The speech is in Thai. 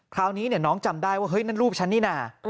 คราวนี้น้องจำได้ว่าเฮ้ยนั่นรูปฉันนี่นะ